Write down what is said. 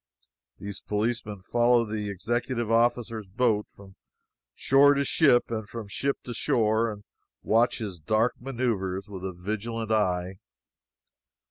These policemen follow the executive officer's boat from shore to ship and from ship to shore and watch his dark maneuvres with a vigilant eye.